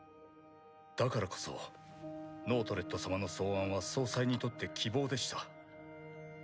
だからこそノートレット様の創案は総裁にとって希望でした。